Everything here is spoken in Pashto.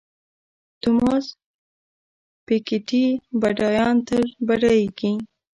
توماس پیکیټي بډایان تل بډایېږي.